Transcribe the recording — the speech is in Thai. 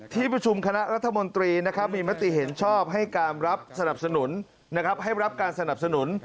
ที่ประชุมคณะรัฐมนตรีมีมติเห็นชอบให้รับการสนับสนุน